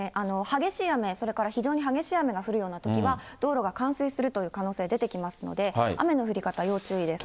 激しい雨、それから非常に激しい雨が降るようなときは、道路が冠水するという可能性、出てきますので、雨の降り方、要注意です。